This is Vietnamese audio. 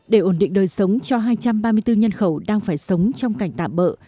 để ổn định đời sống cho hai trăm ba mươi bốn nhân khẩu đang phải sống trong cảnh tạm bỡ